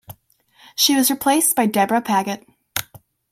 She was replaced by Debra Paget.